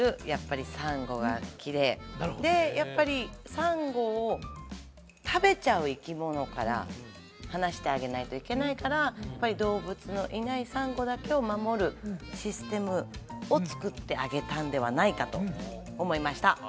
やっぱりサンゴがきれいでやっぱりサンゴを食べちゃう生き物から離してあげないといけないからやっぱり動物のいないサンゴだけを守るシステムをつくってあげたんではないかと思いました